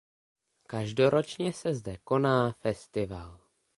Každoročně se zde koná festival.